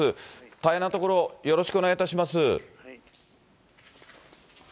大変なところ、よろしくお願いいたします。